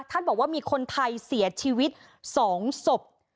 ท่านบอกว่ามีคนไทยเสียชีวิตสองศพ